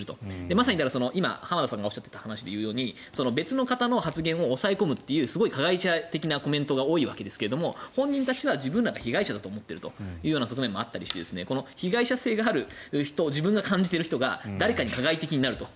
まさに今、浜田さんがおっしゃっていた話のように別の方の発言を抑え込むという加害者的なコメントが多いわけですが本人たちは自分たちが被害者だと思っている側面もあったりして被害者性がある人自分が感じている人が誰かに加害的になると。